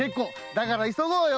だから急ごうよ。